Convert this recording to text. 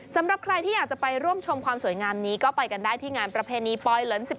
สำหรับใครที่อยากจะไปร่วมชมความสวยงามนี้ก็ไปกันได้ที่งานประเพณีปลอยเหลิน๑๑